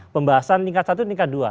pembahasan tingkat satu tingkat dua